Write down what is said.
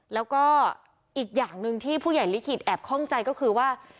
แล้วก็อีกอย่างหนึ่งที่ผู้ใหญ่ลิขิตแอบคล่องใจก็คือว่า